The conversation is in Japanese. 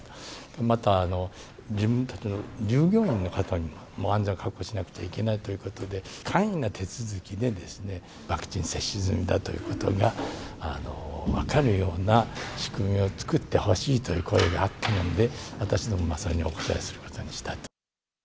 また、自分たちの従業員の方にも、安全を確保しなくてはいけないということで、簡易な手続きで、ワクチン接種済みだということが、分かるような仕組みを作ってほしいという声があったもんで、私どもはそれにお応えすることにしたと。